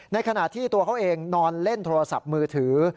ในขณะที่ตัวเขาเองนอนเล่นโทรศัพท์มือถือ